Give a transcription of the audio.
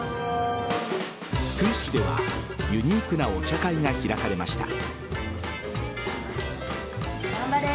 福井市ではユニークなお茶会が開かれました。